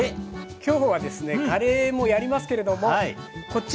きょうはですねカレーもやりますけれどもこっち。